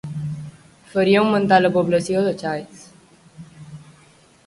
Faria augmentar la població de xais.